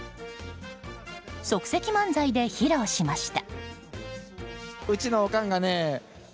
即席漫才で披露しました。